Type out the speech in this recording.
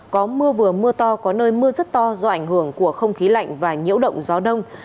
có mưa vừa mưa to có nơi mưa rất to do ảnh hưởng của không khí lạnh và nhiễu động gió đông